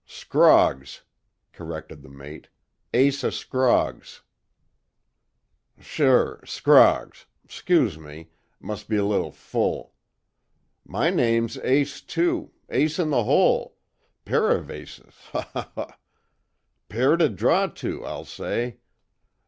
"Scroggs," corrected the mate, "Asa Scroggs." "Sure Scroggs 'scuse me mus' be little full. My name's Ace, too Ace In The Hole pair of aces, haw, haw, haw! Pair to draw to, I'll say.